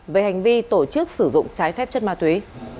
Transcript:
về hành vi tổ chức sử dụng trái phép chất ma túy